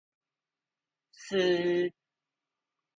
スー